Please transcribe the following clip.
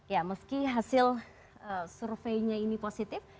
ya meski hasil surveinya ini positif